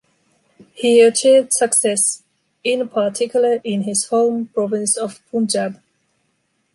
He achieved success, in particular in his home province of Punjab.